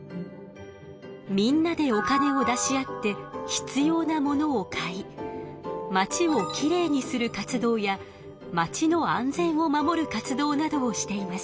みんなでお金を出し合って必要なものを買いまちをきれいにする活動やまちの安全を守る活動などをしています。